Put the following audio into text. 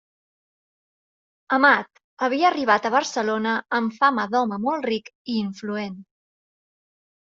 Amat havia arribat a Barcelona amb fama d’home molt ric i influent.